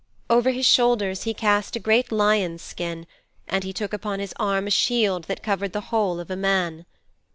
Over his shoulders he cast a great lion's skin, and he took upon his arm a shield that covered the whole of a man.